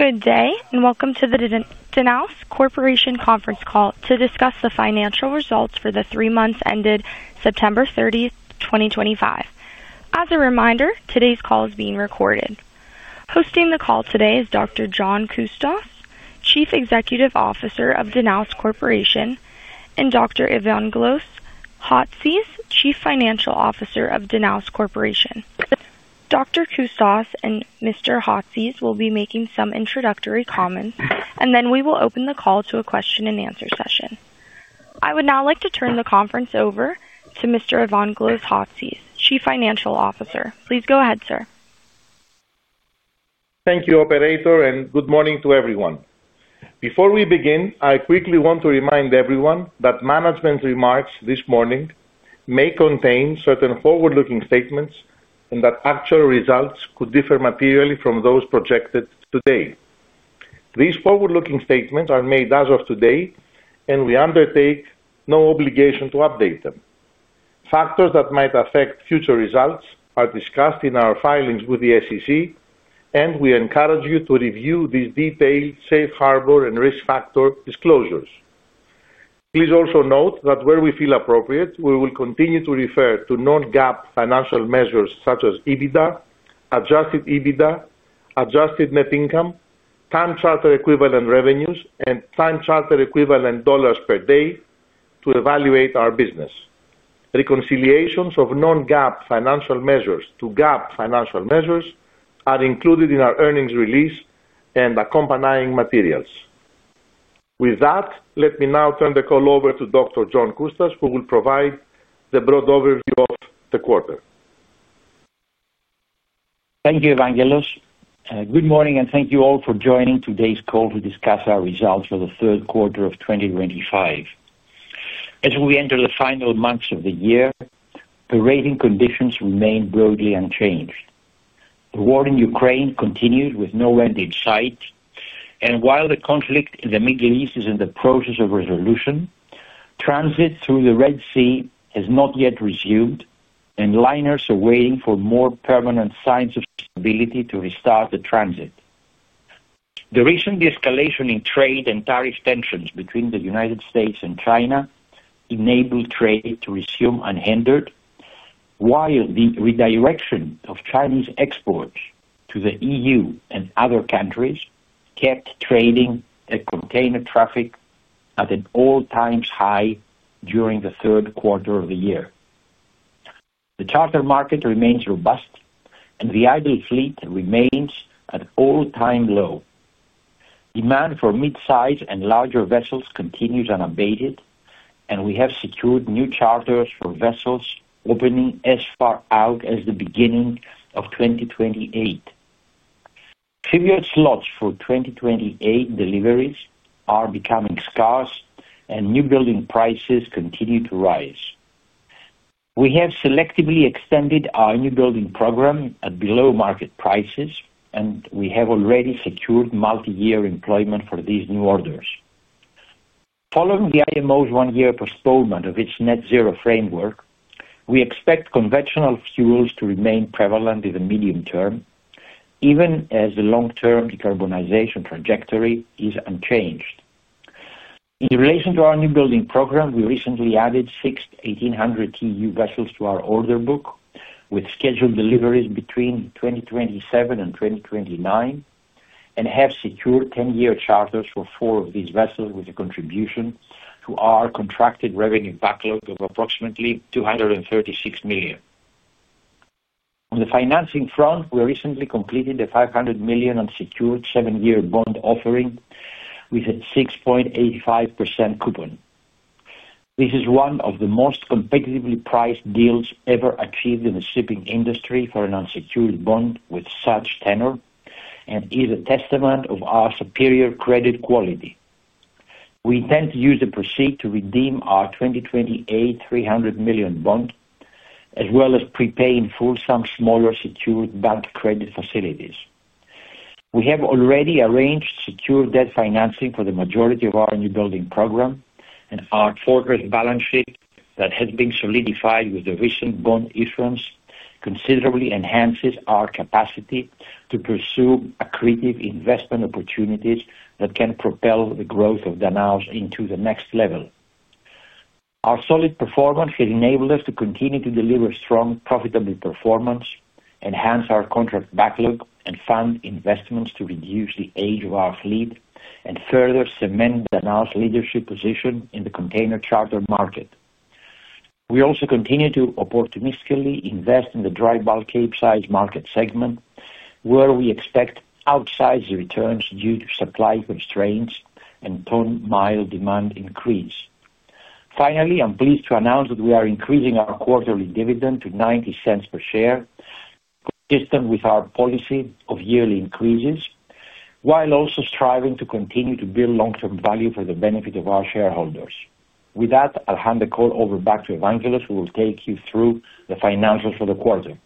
Good day, and welcome to the Danaos Corporation conference call to discuss the financial results for the three months ended September 30, 2025. As a reminder, today's call is being recorded. Hosting the call today is Dr. John Coustas, Chief Executive Officer of Danaos Corporation, and Dr. Evangelos Chatzis, Chief Financial Officer of Danaos Corporation. Dr. Coustas and Mr. Chatzis will be making some introductory comments, and then we will open the call to a question-and-answer session. I would now like to turn the conference over to Mr. Evangelos Chatzis, Chief Financial Officer. Please go ahead, sir. Thank you, operator, and good morning to everyone. Before we begin, I quickly want to remind everyone that management's remarks this morning may contain certain forward-looking statements and that actual results could differ materially from those projected today. These forward-looking statements are made as of today, and we undertake no obligation to update them. Factors that might affect future results are discussed in our filings with the SEC, and we encourage you to review these detailed safe harbor and risk factor disclosures. Please also note that where we feel appropriate, we will continue to refer to non-GAAP financial measures such as EBITDA, adjusted EBITDA, adjusted net income, time charter equivalent revenues, and time charter equivalent dollars per day to evaluate our business. Reconciliations of non-GAAP financial measures to GAAP financial measures are included in our earnings release and accompanying materials. With that, let me now turn the call over to Dr. John Coustas, who will provide the broad overview of the quarter. Thank you, Evangelos. Good morning, and thank you all for joining today's call to discuss our results for the third quarter of 2025. As we enter the final months of the year, the rating conditions remain broadly unchanged. The war in Ukraine continues with no end in sight, and while the conflict in the Middle East is in the process of resolution, transit through the Red Sea has not yet resumed, and liners are waiting for more permanent signs of stability to restart the transit. The recent de-escalation in trade and tariff tensions between the United States and China enabled trade to resume unhindered, while the redirection of Chinese exports to the EU and other countries kept trading and container traffic at an all-time high during the third quarter of the year. The charter market remains robust, and the idle fleet remains at all-time low. Demand for mid-size and larger vessels continues unabated, and we have secured new charters for vessels opening as far out as the beginning of 2028. Trivial slots for 2028 deliveries are becoming scarce, and new building prices continue to rise. We have selectively extended our new building program at below-market prices, and we have already secured multi-year employment for these new orders. Following the IMO's one-year postponement of its net-zero framework, we expect conventional fuels to remain prevalent in the medium-term, even as the long-term decarbonization trajectory is unchanged. In relation to our new building program, we recently added six 1,800 TEU vessels to our order book with scheduled deliveries between 2027 and 2029 and have secured 10-year charters for four of these vessels with a contribution to our contracted revenue backlog of approximately $236 million. On the financing front, we recently completed a $500 million unsecured seven-year bond offering with a 6.85% coupon. This is one of the most competitively priced deals ever achieved in the shipping industry for an unsecured bond with such tenor and is a testament of our superior credit quality. We intend to use the proceeds to redeem our 2028 $300 million bond, as well as prepay in full some smaller secured bank credit facilities. We have already arranged secured debt financing for the majority of our new building program, and our forecast balance sheet that has been solidified with the recent bond issuance considerably enhances our capacity to pursue accretive investment opportunities that can propel the growth of Danaos into the next level. Our solid performance has enabled us to continue to deliver strong, profitable performance, enhance our contract backlog, and fund investments to reduce the age of our fleet and further cement Danaos' leadership position in the container charter market. We also continue to opportunistically invest in the dry bulk Capesize market segment, where we expect outsized returns due to supply constraints and tonnage mile demand increase. Finally, I'm pleased to announce that we are increasing our quarterly dividend to $0.90 per share, consistent with our policy of yearly increases, while also striving to continue to build long-term value for the benefit of our shareholders. With that, I'll hand the call over back to Evangelos, who will take you through the financials for the quarter.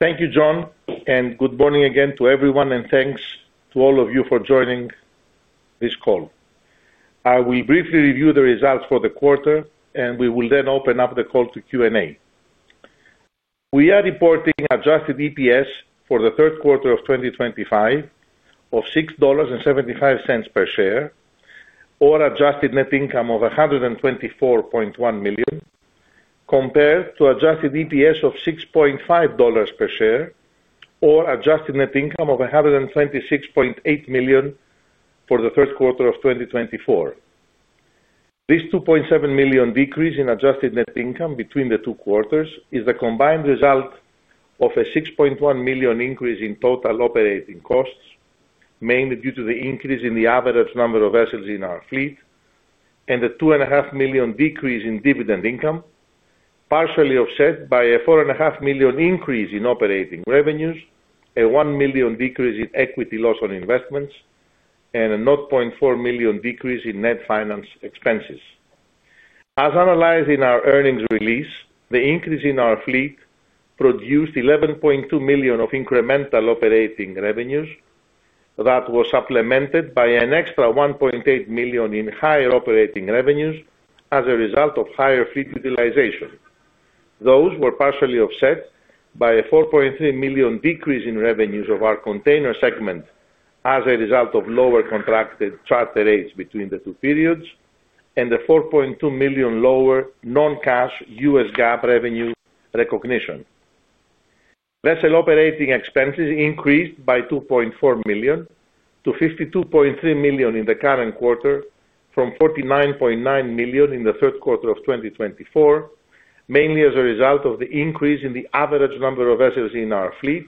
Thank you, John, and good morning again to everyone, and thanks to all of you for joining this call. I will briefly review the results for the quarter, and we will then open up the call to Q&A. We are reporting adjusted EPS for the third quarter of 2025 of $6.75 per share, or adjusted net income of $124.1 million, compared to adjusted EPS of $6.5 per share, or adjusted net income of $126.8 million for the third quarter of 2024. This $2.7 million decrease in adjusted net income between the two quarters is the combined result of a $6.1 million increase in total operating costs, mainly due to the increase in the average number of vessels in our fleet, and a $2.5 million decrease in dividend income, partially offset by a $4.5 million increase in operating revenues, a $1 million decrease in equity loss on investments, and a $0.4 million decrease in net finance expenses. As analyzed in our earnings release, the increase in our fleet produced $11.2 million of incremental operating revenues that was supplemented by an extra $1.8 million in higher operating revenues as a result of higher fleet utilization. Those were partially offset by a $4.3 million decrease in revenues of our container segment as a result of lower contracted charter rates between the two periods and a $4.2 million lower non-cash U.S. GAAP revenue recognition. Vessel operating expenses increased by $2.4 million to $52.3 million in the current quarter, from $49.9 million in the third quarter of 2024, mainly as a result of the increase in the average number of vessels in our fleet,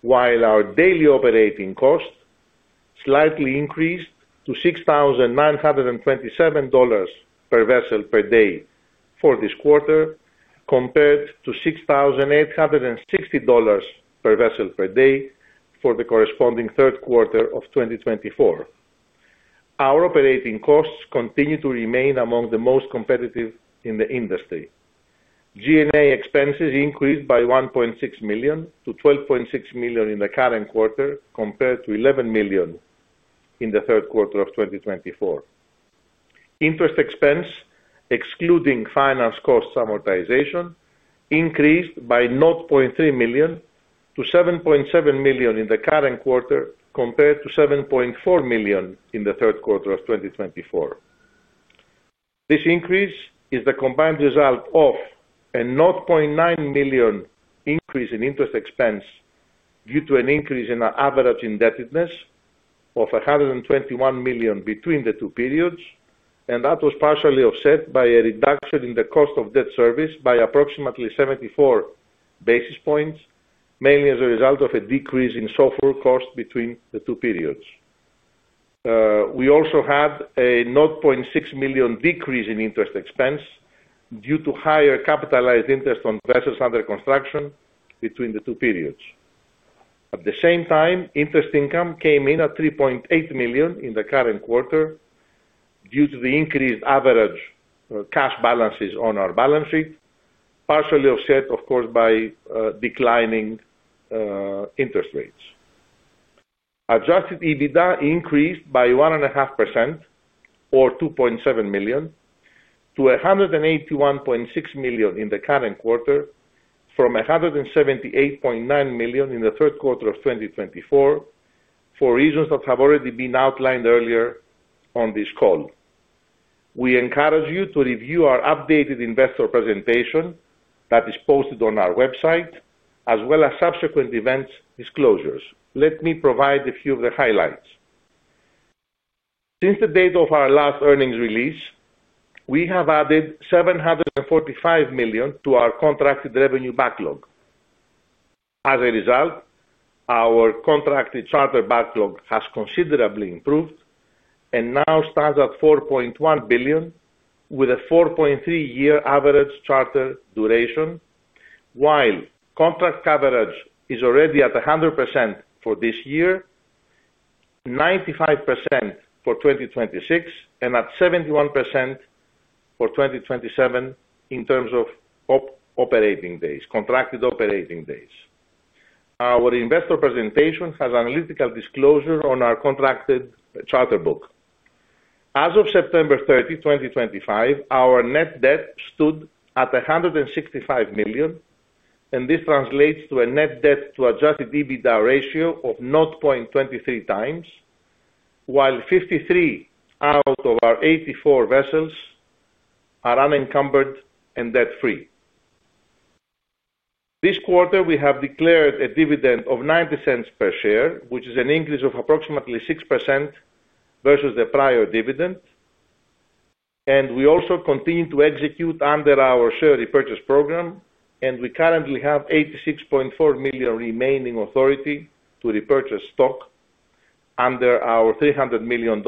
while our daily operating cost slightly increased to $6,927 per vessel per day for this quarter, compared to $6,860 per vessel per day for the corresponding third quarter of 2024. Our operating costs continue to remain among the most competitive in the industry. G&A expenses increased by $1.6 million to $12.6 million in the current quarter, compared to $11 million in the third quarter of 2024. Interest expense, excluding finance cost summarization, increased by $0.3 million to $7.7 million in the current quarter, compared to $7.4 million in the third quarter of 2024. This increase is the combined result of a $0.9 million increase in interest expense due to an increase in average indebtedness of $121 million between the two periods, and that was partially offset by a reduction in the cost of debt service by approximately 74 basis points, mainly as a result of a decrease in software cost between the two periods. We also had a $0.6 million decrease in interest expense due to higher capitalized interest on vessels under construction between the two periods. At the same time, interest income came in at $3.8 million in the current quarter due to the increased average cash balances on our balance sheet, partially offset, of course, by declining interest rates. Adjusted EBITDA increased by 1.5%, or $2.7 million, to $181.6 million in the current quarter, from $178.9 million in the third quarter of 2024, for reasons that have already been outlined earlier on this call. We encourage you to review our updated investor presentation that is posted on our website, as well as subsequent events disclosures. Let me provide a few of the highlights. Since the date of our last earnings release, we have added $745 million to our contracted revenue backlog. As a result, our contracted charter backlog has considerably improved and now stands at $4.1 billion, with a 4.3-year average charter duration, while contract coverage is already at 100% for this year, 95% for 2026, and at 71% for 2027 in terms of contracted operating days. Our investor presentation has analytical disclosure on our contracted charter book. As of September 30, 2025, our net debt stood at $165 million, and this translates to a net debt-to-adjusted EBITDA ratio of 0.23x, while 53 out of our 84 vessels are unencumbered and debt-free. This quarter, we have declared a dividend of $0.90 per share, which is an increase of approximately 6% versus the prior dividend, and we also continue to execute under our share repurchase program, and we currently have $86.4 million remaining authority to repurchase stock under our $300 million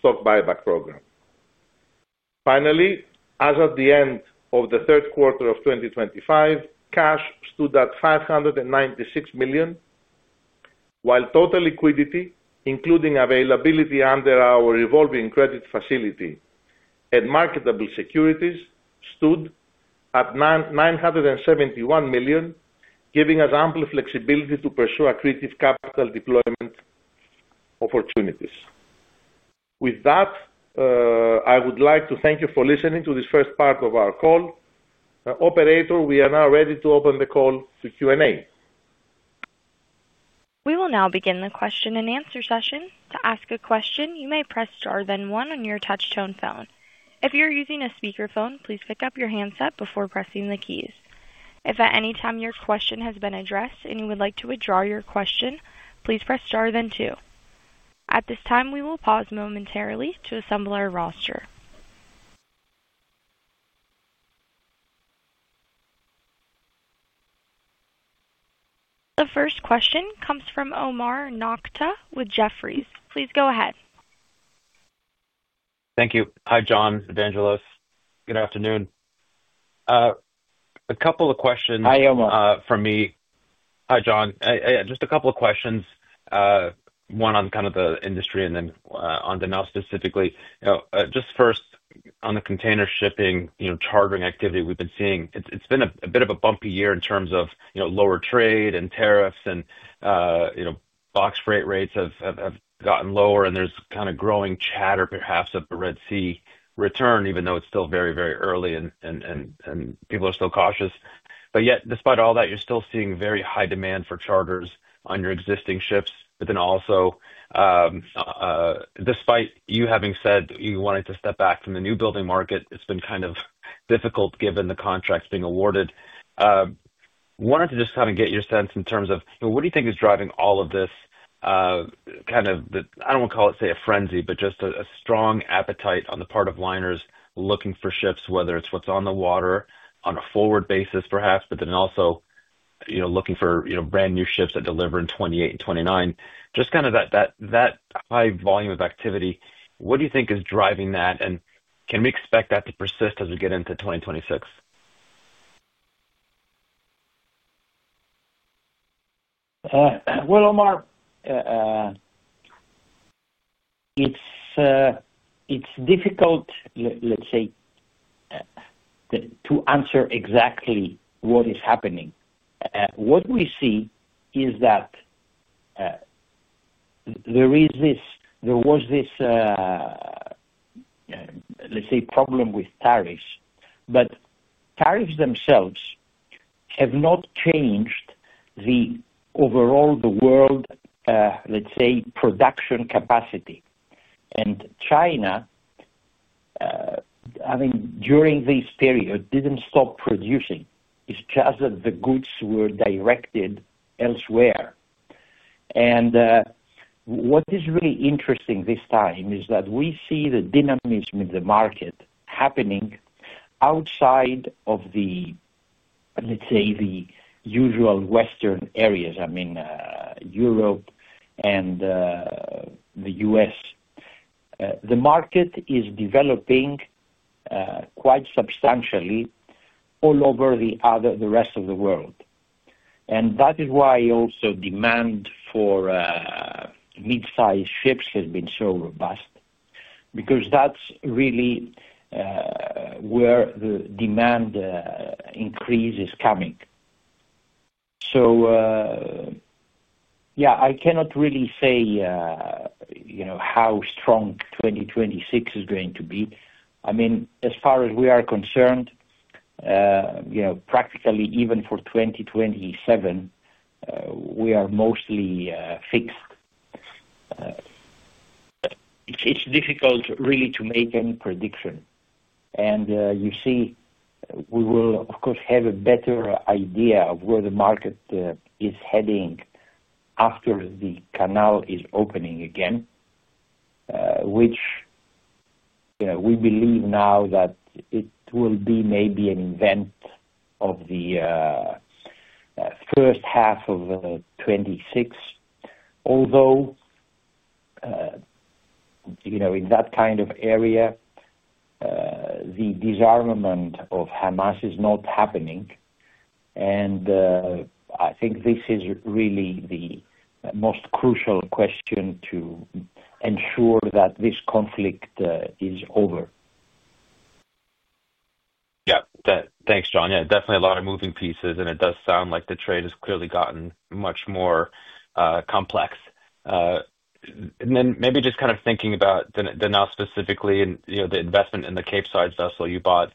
stock buyback program. Finally, as of the end of the third quarter of 2025, cash stood at $596 million, while total liquidity, including availability under our revolving credit facility and marketable securities, stood at $971 million, giving us ample flexibility to pursue accretive capital deployment opportunities. With that, I would like to thank you for listening to this first part of our call. Operator, we are now ready to open the call to Q&A. We will now begin the question and answer session. To ask a question, you may press star then one on your touchtone phone. If you're using a speakerphone, please pick up your handset before pressing the keys. If at any time your question has been addressed and you would like to withdraw your question, please press star then two. At this time, we will pause momentarily to assemble our roster. The first question comes from Omar Nokta with Jefferies. Please go ahead. Thank you. Hi, John, Evangelos. Good afternoon. A couple of questions. Hi, Omar. From me. Hi, John. Just a couple of questions, one on kind of the industry and then on Danaos specifically. Just first, on the container shipping chartering activity we've been seeing, it's been a bit of a bumpy year in terms of lower trade and tariffs, and box freight rates have gotten lower, and there's kind of growing chatter, perhaps, of the Red Sea return, even though it's still very, very early and people are still cautious. Yet, despite all that, you're still seeing very high demand for charters on your existing ships. Also, despite you having said you wanted to step back from the newbuilding market, it's been kind of difficult given the contracts being awarded. Wanted to just kind of get your sense in terms of what do you think is driving all of this kind of, I don't want to call it, say, a frenzy, but just a strong appetite on the part of liners looking for ships, whether it's what's on the water on a forward basis, perhaps, but then also looking for brand new ships that deliver in 2028 and 2029. Just kind of that high volume of activity, what do you think is driving that, and can we expect that to persist as we get into 2026? Omar, it's difficult, let's say, to answer exactly what is happening. What we see is that there was this, let's say, problem with tariffs, but tariffs themselves have not changed the overall, the world, let's say, production capacity. And China, I mean, during this period, didn't stop producing. It's just that the goods were directed elsewhere. What is really interesting this time is that we see the dynamism in the market happening outside of the, let's say, the usual Western areas, I mean, Europe and the U.S. The market is developing quite substantially all over the rest of the world. That is why also demand for mid-sized ships has been so robust, because that's really where the demand increase is coming. Yeah, I cannot really say how strong 2026 is going to be. I mean, as far as we are concerned, practically even for 2027, we are mostly fixed. It's difficult really to make any prediction. You see, we will, of course, have a better idea of where the market is heading after the canal is opening again, which we believe now that it will be maybe an event of the first half of 2026, although in that kind of area, the disarmament of Hamas is not happening. I think this is really the most crucial question to ensure that this conflict is over. Yeah. Thanks, John. Yeah, definitely a lot of moving pieces, and it does sound like the trade has clearly gotten much more complex. Maybe just kind of thinking about Danaos specifically and the investment in the Capesize vessel you bought,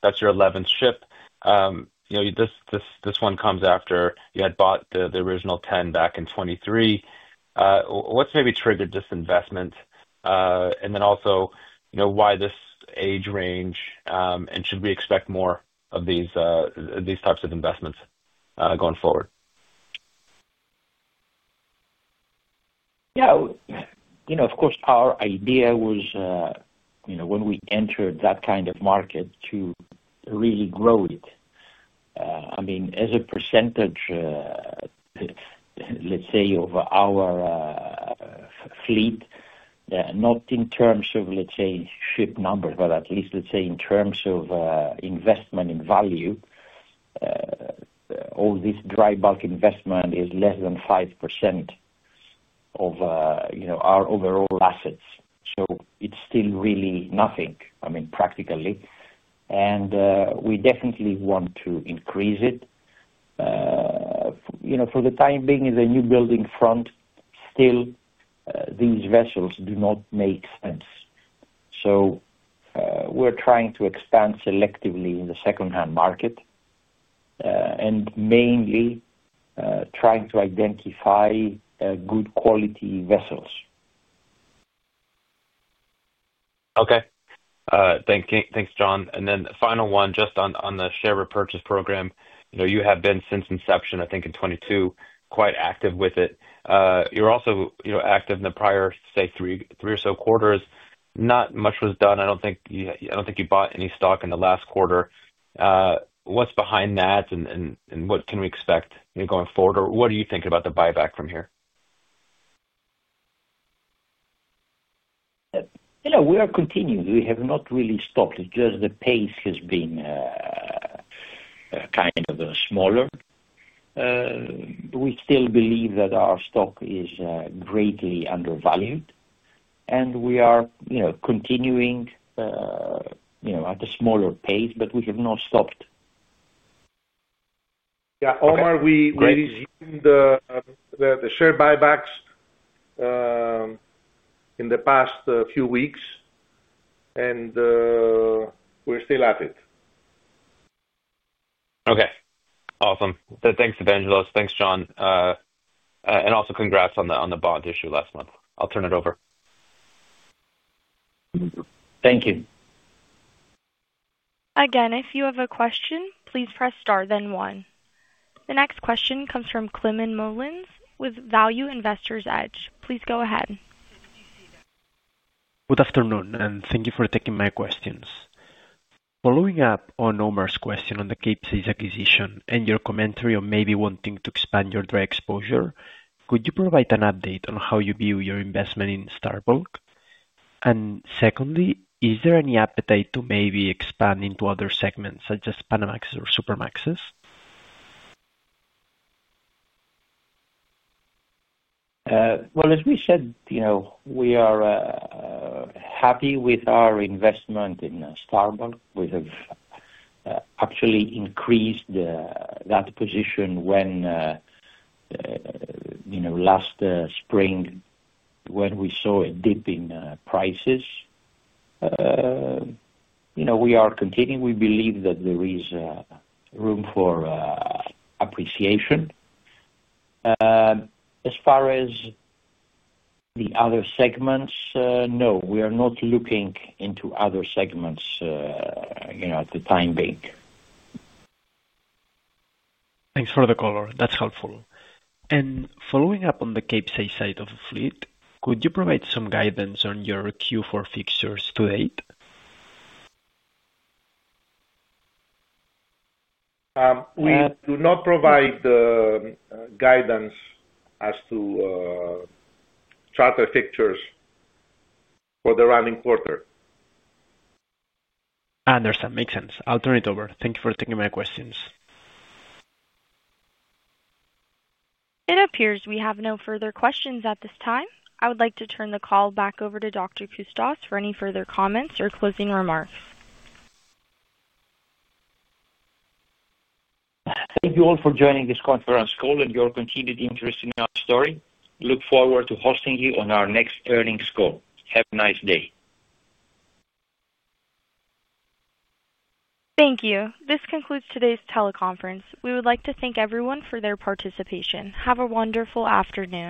that's your 11th ship. This one comes after you had bought the original 10 back in 2023. What's maybe triggered this investment? Also, why this age range, and should we expect more of these types of investments going forward? Yeah. Of course, our idea was, when we entered that kind of market, to really grow it. I mean, as a percentage, let's say, of our fleet, not in terms of, let's say, ship numbers, but at least, let's say, in terms of investment in value, all this dry bulk investment is less than 5% of our overall assets. So it's still really nothing, I mean, practically. And we definitely want to increase it. For the time being, in the new building front, still, these vessels do not make sense. So we're trying to expand selectively in the second-hand market and mainly trying to identify good quality vessels. Okay. Thanks, John. Then final one, just on the share repurchase program, you have been since inception, I think, in 2022, quite active with it. You're also active in the prior, say, three or so quarters. Not much was done. I don't think you bought any stock in the last quarter. What's behind that, and what can we expect going forward? Or what are you thinking about the buyback from here? We are continuing. We have not really stopped. It's just the pace has been kind of smaller. We still believe that our stock is greatly undervalued, and we are continuing at a smaller pace, but we have not stopped. Yeah. Omar, we've seen the share buybacks in the past few weeks, and we're still at it. Okay. Awesome. Thanks, Evangelos. Thanks, John. Also, congrats on the bond issue last month. I'll turn it over. Thank you. Again, if you have a question, please press star then one. The next question comes from Clement Mullins with Value Investors Edge. Please go ahead. Good afternoon, and thank you for taking my questions. Following up on Omar's question on the Capesize acquisition and your commentary on maybe wanting to expand your dry exposure, could you provide an update on how you view your investment in Star Bulk? And secondly, is there any appetite to maybe expand into other segments such as Panamaxes or Supramaxes? As we said, we are happy with our investment in Star Bulk. We have actually increased that position last spring when we saw a dip in prices. We are continuing. We believe that there is room for appreciation. As far as the other segments, no, we are not looking into other segments at the time being. Thanks for the color. That's helpful. Following up on the Capesize side of the fleet, could you provide some guidance on your Q4 fixtures to date? We do not provide guidance as to charter fixtures for the running quarter. Understood. Makes sense. I'll turn it over. Thank you for taking my questions. It appears we have no further questions at this time. I would like to turn the call back over to Dr. Coustas for any further comments or closing remarks. Thank you all for joining this conference call and your continued interest in our story. Look forward to hosting you on our next earnings call. Have a nice day. Thank you. This concludes today's teleconference. We would like to thank everyone for their participation. Have a wonderful afternoon.